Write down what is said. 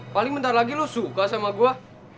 paling bentar lagi lo suka sama gue